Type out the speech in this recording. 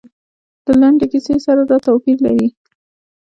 له لنډې کیسې سره دا توپیر لري.